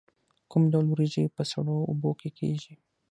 کوم ډول وریجې په سړو اوبو کې کیږي؟